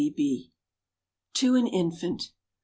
TO AN INFANT.